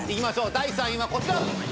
第３位はこちら。